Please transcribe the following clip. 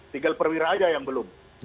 tinggal perwira aja yang belum